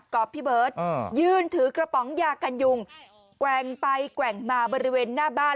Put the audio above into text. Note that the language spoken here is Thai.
พี่เบิร์ตยืนถือกระป๋องยากันยุงแกว่งไปแกว่งมาบริเวณหน้าบ้าน